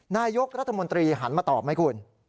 นายกรัฐมนตรีหันมาตอบไหมคุณ